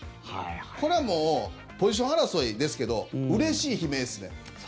これはもうポジション争いですけどうれしい悲鳴ですね。